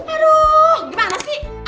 aduh gimana sih